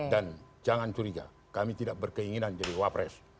dan jangan curiga kami tidak berkeinginan jadi wapres